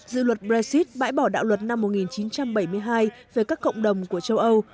dự luật brexit bãi bỏ đạo luật năm một nghìn chín trăm bảy mươi hai về các cộng đồng của châu âu